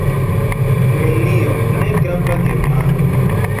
Nenio: negrava Germano.